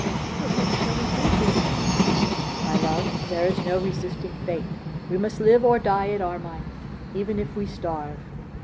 'But what shall we do, dear Ratcliffe?' 'My love, there is no resisting fate. We must live or die at Armine, even if we starve.